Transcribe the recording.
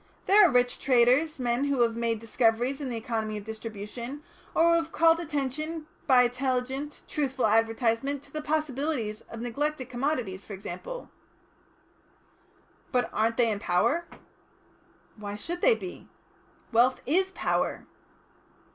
There are rich traders, men who have made discoveries in the economy of distribution, or who have called attention by intelligent, truthful advertisement to the possibilities of neglected commodities, for example." "But aren't they a power?" "Why should they be?" "Wealth is power."